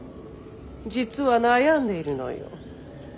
実は悩んでいるのよ。